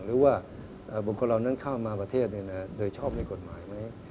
หรือว่าบุคคลเหล่านั้นเข้ามาประเทศโดยชอบในกฎหมายไหม